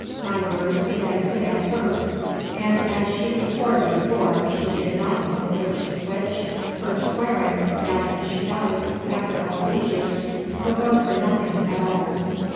My word is as good as hers; and as she swore before she did not know which was which, her swearing now that she does, after all these years, will go for nothing at all."